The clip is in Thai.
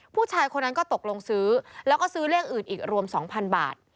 ผู้ชายคนนั้นก็ตกลงซื้อแล้วก็ซื้อเลขอื่นอีกรวม๒๐๐บาท